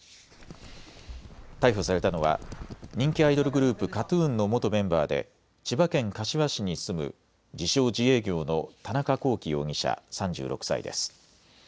逮捕されたのは人気アイドルグループ、ＫＡＴーＴＵＮの元メンバーで千葉県柏市に住む自称・自営業の田中聖容疑者３６歳です。